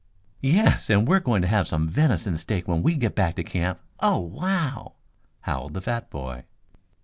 "Yes, and we are going to have some venison steak when we get back to camp. Oh, wow?" howled the fat boy.